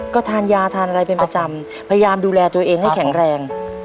ก็ทานยาทานอะไรเป็นประจำพยายามดูแลตัวเองให้แข็งแรง